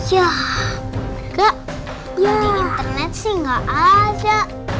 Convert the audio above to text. ya enggak di internet sih enggak ada